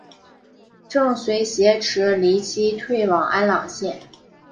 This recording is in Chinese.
郑绥挟持黎槱退往安朗县。